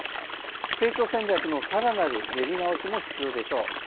成長戦略のさらなる練り直しも必要でしょう。